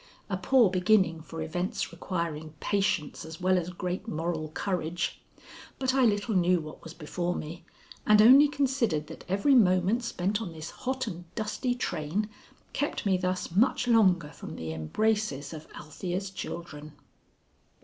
A poor beginning for events requiring patience as well as great moral courage; but I little knew what was before me, and only considered that every moment spent on this hot and dusty train kept me thus much longer from the embraces of Althea's children.